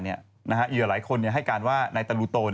อีกหลายคนให้การว่าในตะลูโต